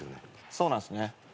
そうなんすね。